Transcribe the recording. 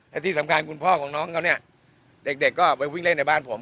และที่สำคัญคุณพ่อของน้องเขาเนี่ยเด็กก็ไปวิ่งเล่นในบ้านผม